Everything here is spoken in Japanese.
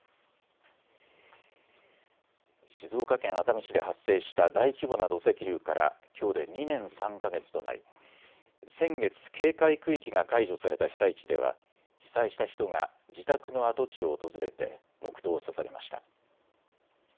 静岡県熱海市で発生した大規模な土石流からきょうで２年３か月となり先月、警戒区域が解除された被災地では被災した人が自宅の跡地を訪れて黙とうをささげました。